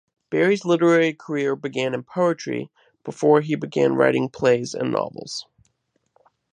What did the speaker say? Barry's literary career began in poetry before he began writing plays and novels.